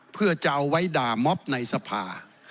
เพื่อจะเอาไว้ด่าม็อบในสภา